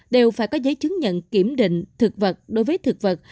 đều phải có giấy chứng nhận kiểm định thực vật đối với thực vật